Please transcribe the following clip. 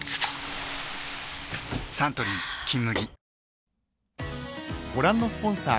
サントリー「金麦」